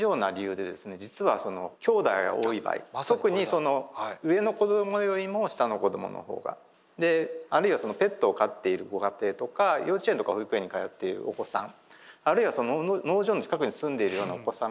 実はその兄弟が多い場合特に上の子どもよりも下の子どもの方が。であるいはペットを飼っているご家庭とか幼稚園とか保育園に通っているお子さんあるいは農場の近くに住んでいるようなお子さんがですね